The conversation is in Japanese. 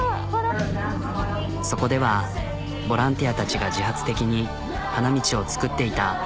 そこではボランティアたちが自発的に花道を作っていた。